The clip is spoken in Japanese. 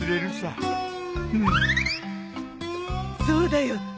そうだよ。